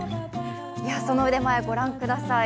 その腕前をご覧ください。